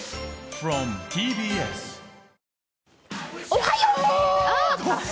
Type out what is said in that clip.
おはよう！